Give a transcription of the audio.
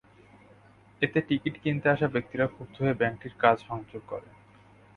এতে টিকিট কিনতে আসা ব্যক্তিরা ক্ষুব্ধ হয়ে ব্যাংকটির কাচ ভাঙচুর করেন।